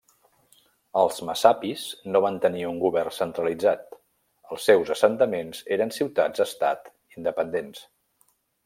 Els messapis no van tenir un govern centralitzat, els seus assentaments eren ciutats estat independents.